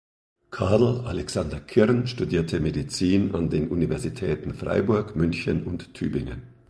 Karl Alexander Kirn studierte Medizin an den Universitäten Freiburg, München und Tübingen.